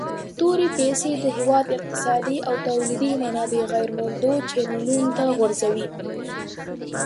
تورې پیسي د هیواد اقتصادي او تولیدي منابع غیر مولدو چینلونو ته غورځوي.